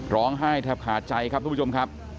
ร้องไห้แทบขาดใจครับทุกผู้ชมครับ